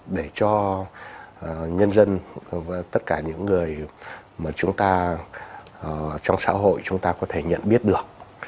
để cho nhân dân tất cả những người mà chúng ta trong xã hội chúng ta có thể nhận biết được